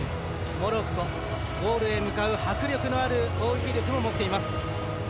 モロッコゴールへ向かう迫力のある攻撃力も持っています。